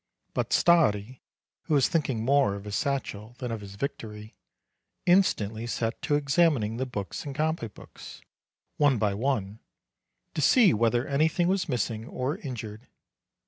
But Stardi, who was thinking more of his satchel than of his victory, instantly set to examining the books and copy books, one by one, to see whether any thing was missing or injured.